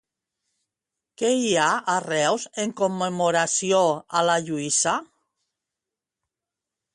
Què hi ha a Reus en commemoració a la Lluïsa?